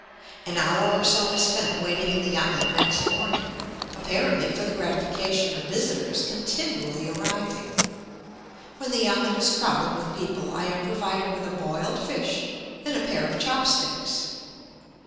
An hour or so is spent waiting in the yamen next morning, apparently for the gratification of visitors continually arriving. When the yamen is crowded with people I am provided with a boiled fish and a pair of chop sticks.